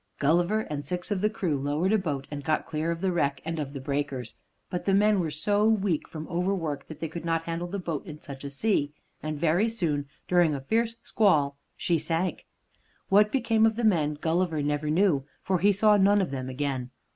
Gulliver and six of the crew lowered a boat and got clear of the wreck and of the breakers. But the men were so weak from overwork that they could not handle the boat in such a sea, and very soon, during a fierce squall, she sank. What became of the men Gulliver never knew, for he saw none of them again.